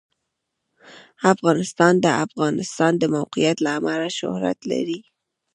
افغانستان د د افغانستان د موقعیت له امله شهرت لري.